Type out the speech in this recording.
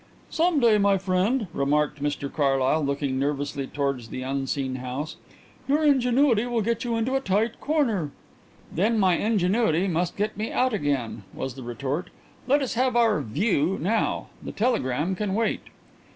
"Some day, my friend," remarked Mr Carlyle, looking nervously towards the unseen house, "your ingenuity will get you into a tight corner." "Then my ingenuity must get me out again," was the retort. "Let us have our 'view' now. The telegram can wait."